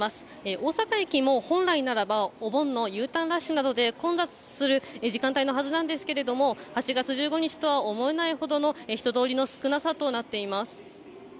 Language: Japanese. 大阪駅も本来ならば、お盆のＵターンラッシュなどで混雑する時間帯のはずなんですけれども、８月１５日とは思えないほどの人通りの少なさとなっています。